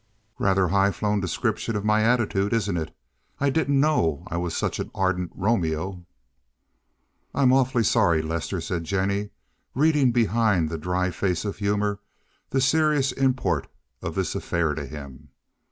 "Rather high flown description of my attitude, isn't it? I didn't know I was such an ardent Romeo." "I'm awfully sorry, Lester," said Jennie, reading behind the dry face of humor the serious import of this affair to him.